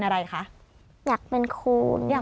ต้องคุณอยากเป็นอะไรคะ